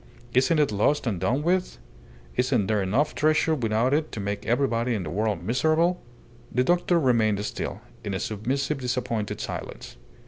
"Isn't it lost and done with? Isn't there enough treasure without it to make everybody in the world miserable?" The doctor remained still, in a submissive, disappointed silence.